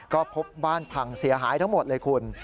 ก็พบบ้านพังเสียหายทั้งหมดเลยคุณ